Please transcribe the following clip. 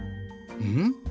うん？